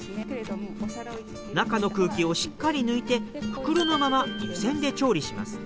中の空気をしっかり抜いて袋のまま湯せんで調理します。